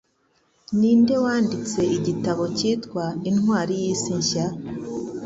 Ninde wanditse igitabo cyitwa "Intwari y’Isi Nshya"